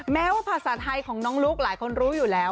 แม้ว่าภาษาไทยของน้องลุ๊กหลายคนรู้อยู่แล้ว